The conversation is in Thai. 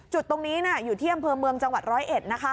จุดตรงนี้อยู่ที่อำเภอเมืองจังหวัดร้อยเอ็ดนะคะ